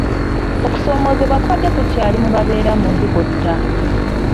Okusoomoozebwa kubadde kukyali ku babeera mu nzigotta.